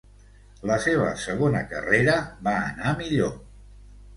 La seva segona carrera va anar millor.